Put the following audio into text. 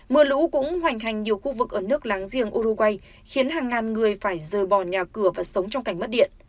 mưa lũ cũng hoành hành nhiều khu vực ở nước láng giềng uruguay khiến hàng ngàn người phải rời bỏ nhà cửa và sống trong cảnh mất điện